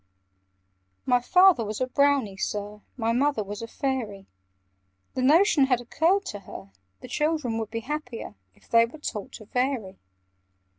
"My father was a Brownie, Sir; My mother was a Fairy. The notion had occurred to her, The children would be happier, If they were taught to vary.